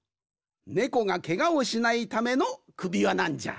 ネコがけがをしないためのくびわなんじゃ。